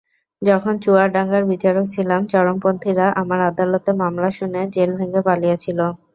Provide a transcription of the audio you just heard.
যখন চুয়াডাঙ্গার বিচারক ছিলাম, চরমপন্থীরা আমার আদালতে মামলা শুনে জেল ভেঙে পালিয়েছিল।